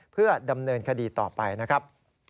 เพื่อดำเนินคดีต่อไปนะครับ